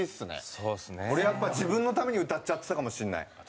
俺やっぱ自分のために歌っちゃってたかもしれない。